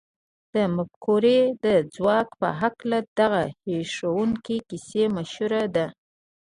د مفکورې د ځواک په هکله دغه هيښوونکې کيسه مشهوره ده.